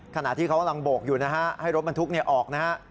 ขณะที่เขากำลังโบกอยู่นะฮะให้รถบรรทุกออกนะฮะ